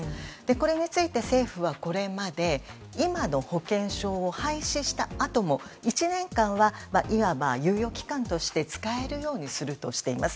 これについて、政府はこれまで今の保険証を廃止したあとも１年間はいわば猶予期間として使えるようにするとしています。